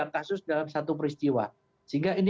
kasus dalam satu peristiwa sehingga ini